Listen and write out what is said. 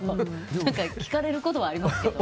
何か聞かれることはありますよ。